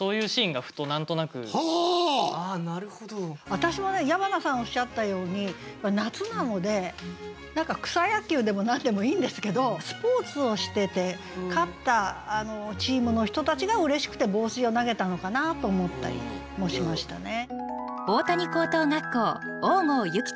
私もね矢花さんおっしゃったように夏なので何か草野球でも何でもいいんですけどスポーツをしてて勝ったチームの人たちが嬉しくて帽子を投げたのかなと思ったりもしましたね。